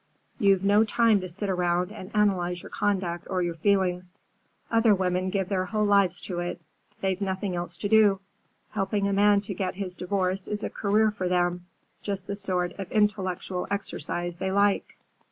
You've no time to sit round and analyze your conduct or your feelings. Other women give their whole lives to it. They've nothing else to do. Helping a man to get his divorce is a career for them; just the sort of intellectual exercise they like."